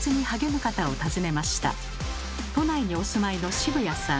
都内にお住まいの渋谷さん。